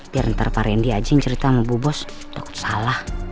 biar ntar pak randy aja yang cerita sama bu bos takut salah